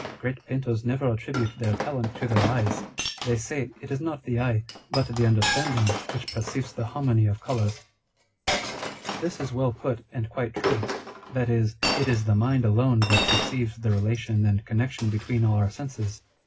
Great painters never attribute their talent to their eyes. They say, it is not the eye, but the understanding, which perceives the harmony of colours." * 1 Page 128. 2 Page 158. On Dr. Spurzheim's Theory. 205 This is well put, and quite true ; that is, it is the mind alone that perceives the relation and connection between all our sensations.